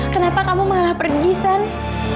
kenapa kamu malah pergi sana